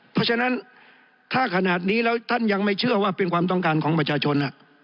เพราะฉะนั้นถ้าขนาดนี้แล้วท่านยังไม่เชื่อว่าเป็นความต้องการของประชาชน